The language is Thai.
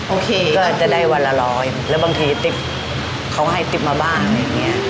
โอเคก็จะได้วันละร้อยแล้วบางทีติ๊บเขาให้ติ๊บมาบ้างอะไรอย่างนี้